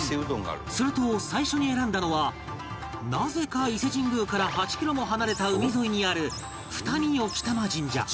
すると最初に選んだのはなぜか伊勢神宮から８キロも離れた海沿いにある二見興玉神社